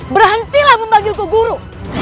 berhentilah membagilku guru